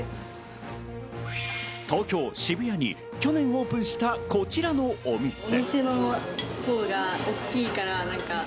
東京・渋谷に去年オープンしたこちらのお店。